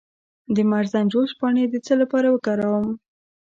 د مرزنجوش پاڼې د څه لپاره وکاروم؟